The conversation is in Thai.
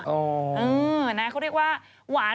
เขาเรียกว่า